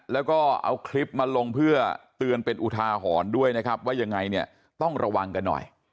แล้วก็เอาคลิปมาลงเพื่อเตือนเป็นอุทาหรณ์ด้วยนะครับว่ายังไงเนี่ยต้องระวังกันหน่อย